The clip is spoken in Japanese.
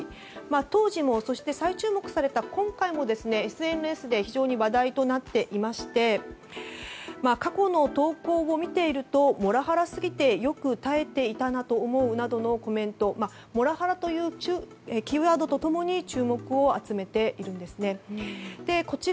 当時も、そして最注目された今回も、ＳＮＳで非常に話題となっていまして過去の投稿を見ているとモラハラ過ぎてよく耐えていたなどのコメントモラハラというキーワードと共に注目を集めているんです。